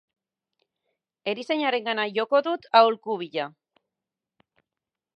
Erizainarengana joko dut aholku bila.